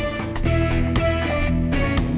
equip nya kok ada kesekian ya